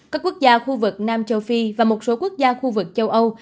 các quốc gia khu vực nam châu phi và một số quốc gia khu vực châu âu